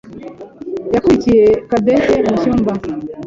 yakurikiye Cadette mu cyumba.